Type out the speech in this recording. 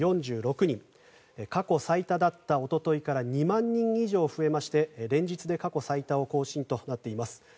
過去最多だったおとといから２万人以上増えまして連日で過去最多を更新となっています。